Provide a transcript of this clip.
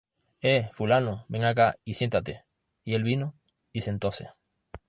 Eh, fulano, ven acá y siéntate. Y él vino, y sentóse.